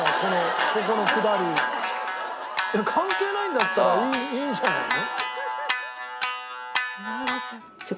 関係ないんだったらいいんじゃないの？